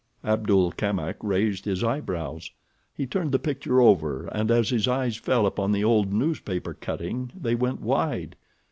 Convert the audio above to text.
Abdul Kamak raised his eyebrows. He turned the picture over and as his eyes fell upon the old newspaper cutting they went wide.